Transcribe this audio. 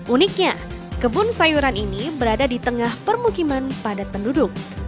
uniknya kebun sayuran ini berada di tengah permukiman padat penduduk